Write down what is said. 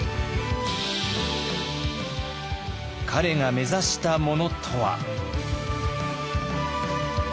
彼が目指したものとは？